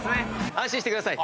安心してください。